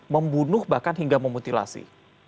membunuh bahkan hingga memutilasi